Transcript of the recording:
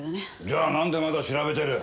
じゃあなんでまだ調べてる？